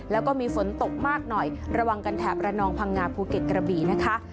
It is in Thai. แล้วก็มีฝนตกมากหน่อยระวังกันแถบระนองพังงาภูเก็ตกระบี่นะคะ